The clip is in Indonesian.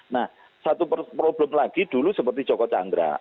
nah satu problem lagi dulu seperti joko chandra